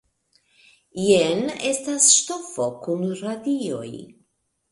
Jen estas ŝtofo kun radioj!